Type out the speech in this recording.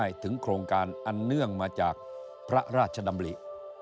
ถึงโครงการอันเนื่องมาจากพระราชดำริ